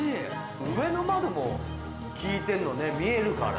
上の窓も効いてんのね見えるから。